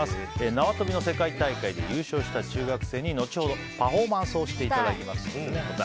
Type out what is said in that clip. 縄跳びの世界大会で優勝した中学生に後ほど、パフォーマンスをしていただきます。